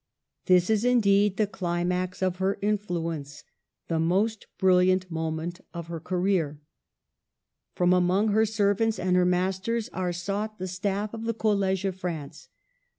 This is indeed the climax of her influence, the most brilliant moment of her career. From among her servants and her masters are sought the staff of the College of France.